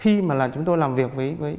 khi mà là chúng tôi làm việc với